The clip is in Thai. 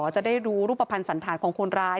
จะได้ดูรูปภัณฑ์สันธารของคนร้าย